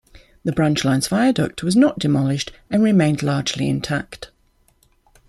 The branch line's viaduct was not demolished and remained largely intact.